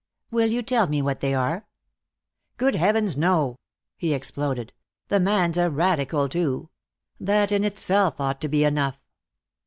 "Will you tell me what they are?" "Good heavens, no!" he exploded. "The man's a radical, too. That in itself ought to be enough."